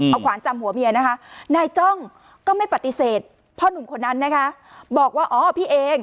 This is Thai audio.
เอาขวานจำหัวเมียนะคะนายจ้องก็ไม่ปฏิเสธพ่อหนุ่มคนนั้นนะคะบอกว่าอ๋อพี่เอง